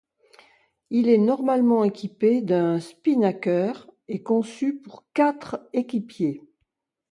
Il est normalement équipé d'un spinnaker, et conçu pour quatre équipiers.